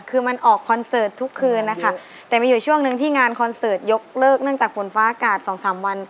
คือมันออกคอนเสิร์ตทุกคืนนะคะแต่มีอยู่ช่วงหนึ่งที่งานคอนเสิร์ตยกเลิกเนื่องจากฝนฟ้าอากาศสองสามวัน